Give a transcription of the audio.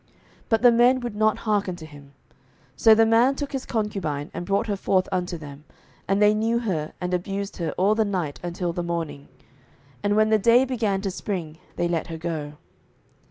07:019:025 But the men would not hearken to him: so the man took his concubine, and brought her forth unto them; and they knew her, and abused her all the night until the morning: and when the day began to spring, they let her go.